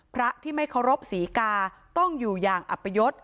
พระที่ไม่เคารพศรีกาต้องอยู่อย่างอัปยศ